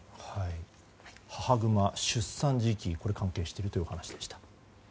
母グマ出産の時期が関係しているという話でした。